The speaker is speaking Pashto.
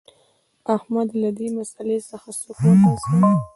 احمده! له دې مسئلې څخه سوک مه باسه.